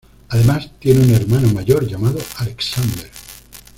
Además, tiene un hermano mayor llamado Alexander.